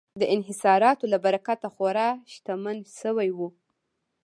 د انحصاراتو له برکته خورا شتمن شوي وو.